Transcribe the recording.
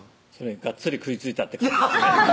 がっつり食いついたって感じです